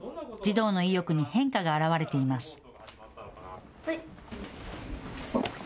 児童の意欲に変化が表れています。